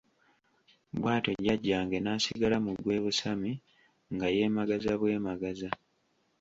Bw'atyo Jjajjange n'asigala mu gwe "Busami" nga yeemagaza bwemagaza...!